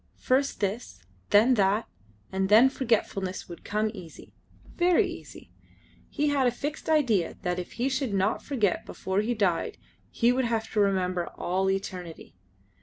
First this, then that, and then forgetfulness would come easy. Very easy. He had a fixed idea that if he should not forget before he died he would have to remember to all eternity.